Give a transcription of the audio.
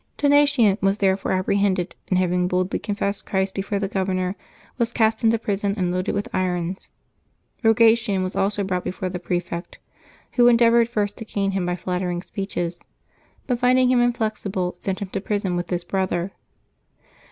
Donatian was therefore apprehended, and having boldly confessed Christ before the governor, was cast into prison and loaded with irons. Eogatian was also brought before the prefect, who endeavored first to gain him by flattering speeches, but finding him inflexible, May 26] LIVES OF THE SAINTS 191 sent him to prison witli his brother.